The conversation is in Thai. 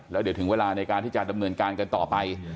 แล้วเดี๋ยวถึงเวลาในการที่จะดำเนินการกันต่อไป